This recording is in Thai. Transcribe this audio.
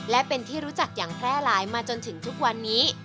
และเป็นที่รู้จักอย่างแพร่หลายมาจนถึงทุกวันนี้